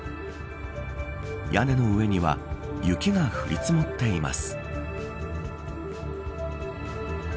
屋根の上には雪が降り積もっています。